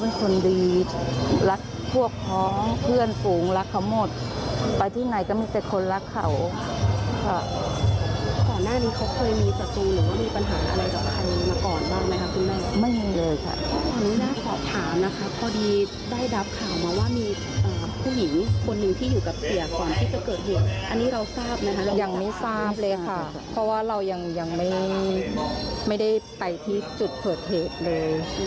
ยังไม่ทราบเลยค่ะเพราะว่าเรายังไม่ได้ไปที่จุดเผิดเหตุเลย